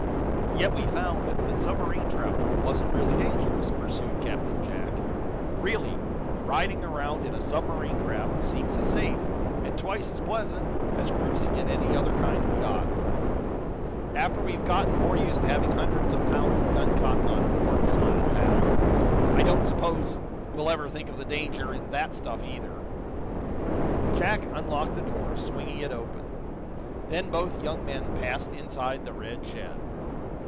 "Yet we found that submarine travel wasn't really dangerous," pursued Captain Jack. "Really, riding around in a submarine craft seems as safe, and twice as pleasant, as cruising in any other kind of yacht." "After we've gotten more used to having hundreds of pounds of gun cotton on board," smiled Hal, "I don't suppose we'll ever think of the danger in that stuff, either." Jack unlocked the door, swinging it open. Then both young men passed inside the red shed.